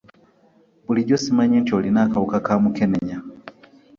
Bulijjo simanyi nti olina akawuka ka mukenenya.